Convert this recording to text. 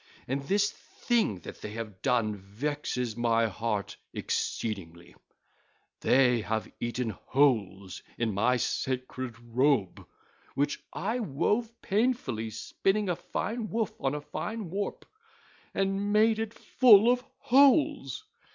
And this thing that they have done vexes my heart exceedingly: they have eaten holes in my sacred robe, which I wove painfully spinning a fine woof on a fine warp, and made it full of holes.